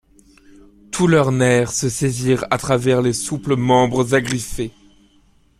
Tous leurs nerfs se saisirent à travers les souples membres agriffés.